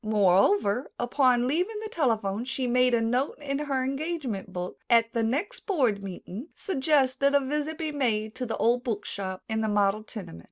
Moreover, upon leaving the telephone she made a note in her engagement book: "At the next board meeting suggest that a visit be made to the old book shop in the model tenement."